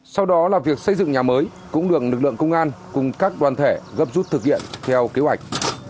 sau đó là việc xây dựng nhà mới cũng được lực lượng công an cùng các đoàn thể gấp rút thực hiện theo kế hoạch